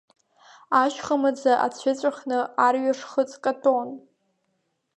Ашьха маӡа ацәыҵәахны арҩашхыҵ каҭәон.